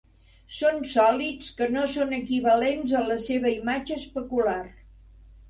Són sòlids que no són equivalents a la seva imatge especular.